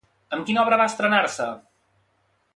Amb quina obra va estrenar-se?